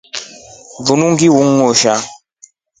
Linu ngili yuusa.